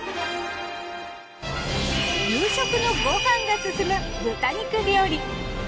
夕食のご飯がすすむ豚肉料理。